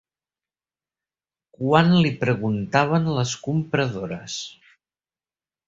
Quan li preguntaven les compradores